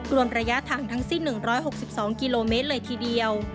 รวมระยะทางทั้งสิ้น๑๖๒กิโลเมตรเลยทีเดียว